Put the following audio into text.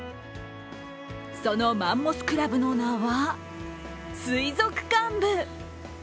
そのマンモスクラブの名は水族館部。